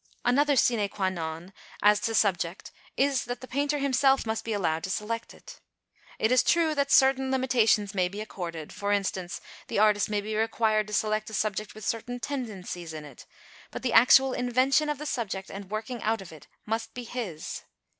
Another sine qua non as to subject is that the painter himself must be allowed to select it. It is true that certain limitations may be accorded for instance, the artist may be required to select a subject with certain tendencies in it but the actual invention of the subject and working out of it must be his.